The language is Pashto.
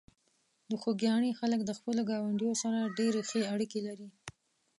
د خوږیاڼي خلک د خپلو ګاونډیو سره ډېرې ښې اړیکې لري.